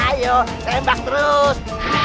ayo tembak terus